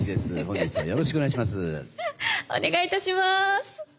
お願いいたします。